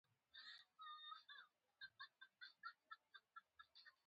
د معایناتو لپاره ډاکټر اړین دی